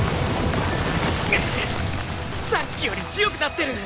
ぐっさっきより強くなってる。